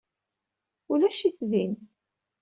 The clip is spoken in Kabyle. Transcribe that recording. Ulac-it din.